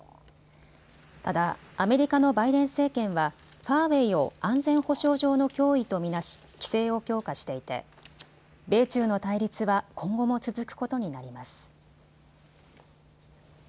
ただアメリカのバイデン政権はファーウェイを安全保障上の脅威と見なし規制を強化していて米中の対立は今後も続くことになります。